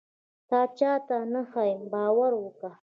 تا چاته نه ښيم باور وکه.